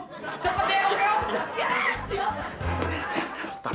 cepet ya om